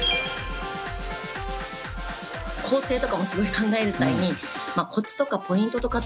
構成とかもすごい考える際にコツとかポイントとかって。